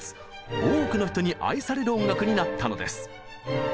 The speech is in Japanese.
多くの人に愛される音楽になったのです。